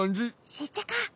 シッチャカ。